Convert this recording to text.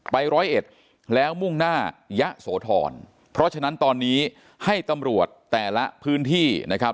ร้อยเอ็ดแล้วมุ่งหน้ายะโสธรเพราะฉะนั้นตอนนี้ให้ตำรวจแต่ละพื้นที่นะครับ